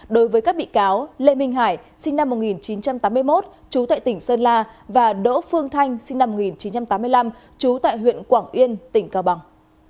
đối với các bị cáo lê minh hải sinh năm một nghìn chín trăm tám mươi một trú tại tỉnh sơn la và đỗ phương thanh sinh năm một nghìn chín trăm tám mươi năm trú tại huyện quảng yên tỉnh cao bằng